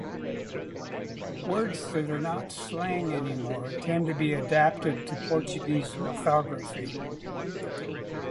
Words that are not slang anymore tend to be adapted to Portuguese orthography.